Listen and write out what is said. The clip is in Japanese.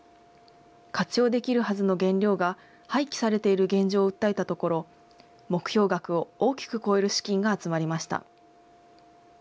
活用できるはずの原料が廃棄されている現状を訴えたところ、目標額を大きく超える資金が集まりました。